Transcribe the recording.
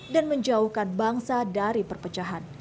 dan menjauhkan bangsa dari perpecahan